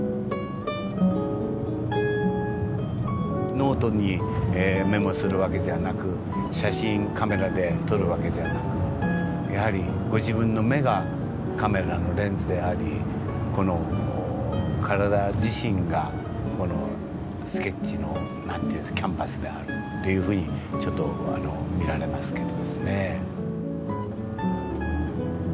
ノートにメモするわけじゃなく写真カメラで撮るわけじゃなくやはりご自分の目がカメラのレンズであり体自身がスケッチのキャンバスであるっていうふうに見られますけど。